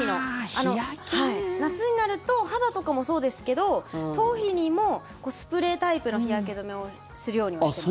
夏になると肌とかもそうですけど、頭皮にもスプレータイプの日焼け止めをするようにもしてます。